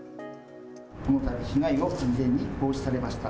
このたび被害を未然に防止されました。